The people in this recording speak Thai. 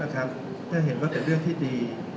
ก็เห็นว่าเป็นเรื่องที่ดี